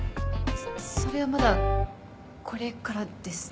そそれはまだこれからです。